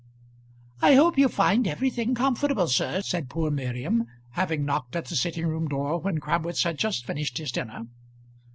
"I hope you find everything comfortable, sir," said poor Miriam, having knocked at the sitting room door when Crabwitz had just finished his dinner.